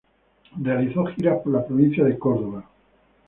Realizó giras por la provincia de Córdoba.